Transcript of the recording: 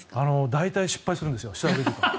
大体失敗するんですよ。